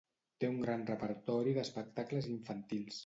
Té un gran repertori d'espectacles infantils.